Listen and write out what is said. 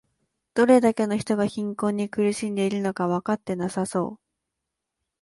どれだけの人が貧困に苦しんでいるのかわかってなさそう